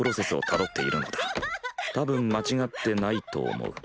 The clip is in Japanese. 多分間違ってないと思う。